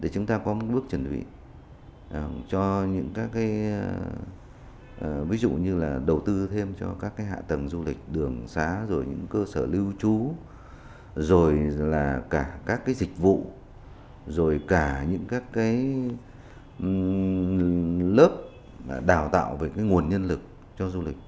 chúng ta có một bước chuẩn bị cho những các cái ví dụ như là đầu tư thêm cho các cái hạ tầng du lịch đường xá rồi những cơ sở lưu trú rồi là cả các cái dịch vụ rồi cả những các cái lớp đào tạo về cái nguồn nhân lực cho du lịch